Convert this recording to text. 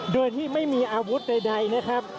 โดยที่ไม่มีอาวุธใดนะครับ